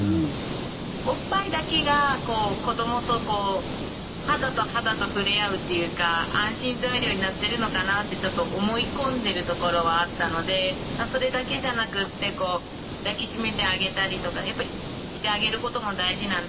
おっぱいだけが子どもと肌と肌と触れ合うっていうか安心材料になってるのかなってちょっと思い込んでるところはあったのでそれだけじゃなくって抱き締めてあげたりとかやっぱりしてあげることも大事なんだなって。